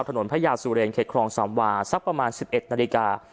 ถนนพระยาสูเรนเข็ดครองสามวาสักประมาณสิบเอ็ดนาฬิกา